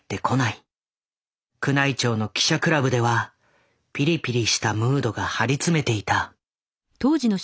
宮内庁の記者クラブではピリピリしたムードが張り詰めていた。